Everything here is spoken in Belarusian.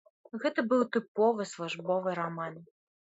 Гэта быў тыповы службовы раман.